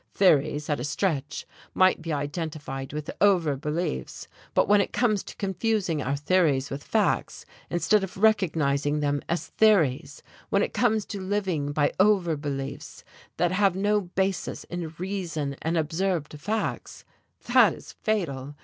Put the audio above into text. Theories, at a stretch, might be identified with 'over beliefs' but when it comes to confusing our theories with facts, instead of recognizing them as theories, when it comes to living by 'over beliefs' that have no basis in reason and observed facts, that is fatal.